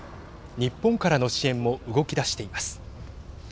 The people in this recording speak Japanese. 日本からの支援も動き出しています。